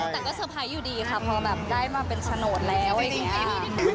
แต่ก็สเตอร์ไพรส์อยู่ดีครับเพราะแบบได้มาเป็นฉโนทแล้วไอ้เนี่ย